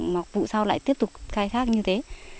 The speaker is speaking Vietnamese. mọc vụ sau lại tiếp tục cây khác như thế